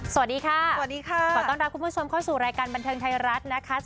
สวัสดีค่ะสวัสดีค่ะขอต้อนรับคุณผู้ชมเข้าสู่รายการบันเทิงไทยรัฐนะคะ